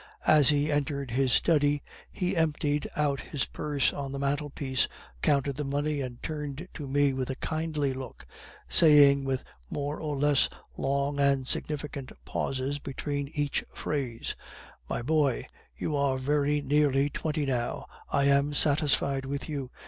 As he entered his study, he emptied out his purse on the mantelpiece, counted the money, and turned to me with a kindly look, saying with more or less long and significant pauses between each phrase: "'My boy, you are very nearly twenty now. I am satisfied with you.